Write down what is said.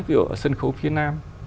ví dụ sân khấu việt nam